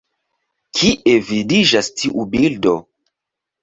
Kie vidiĝas tiu bildo?